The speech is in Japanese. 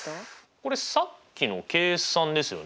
これさっきの計算ですよね？